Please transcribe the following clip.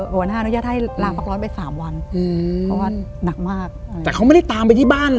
หัวหน้าอนุญาตให้ลาพักร้อนไปสามวันอืมเพราะว่าหนักมากแต่เขาไม่ได้ตามไปที่บ้าน